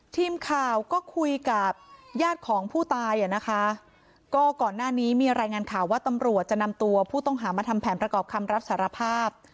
ทีมข่าวก็คุยกับญาติของผู้ตายก็ก่อนหน้านี้มีรายงานข่าวว่าตำรวจเกิดหนำตัวเพื่อทำแผนประกอบคำรับสารภาพ